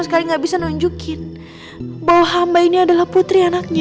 sekali gak bisa nunjukin bahwa hamba ini adalah putri anaknya